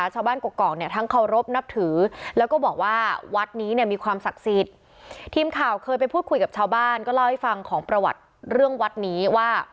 ชาวบ้านเขาก็นับถือที่นี่กันเยอะนะคะ